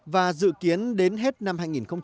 và dự kiến đến hết năm hai nghìn một mươi sáu